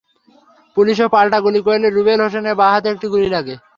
পুলিশও পাল্টা গুলি করলে রুবেল হোসেনের বাঁ হাতে একটি গুলি লাগে।